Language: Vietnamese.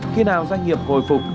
khi nào doanh nghiệp gồi phương